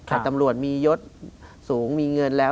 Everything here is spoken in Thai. แต่ตำรวจมียศสูงมีเงินแล้ว